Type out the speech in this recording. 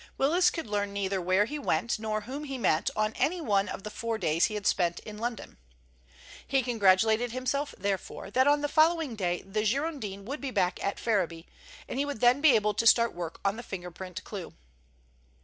Willis could learn neither where he went nor whom he met on any one of the four days he had spent in London. He congratulated himself, therefore, that on the following day the Girondin would be back at Ferriby, and he would then be able to start work on the finger print clue.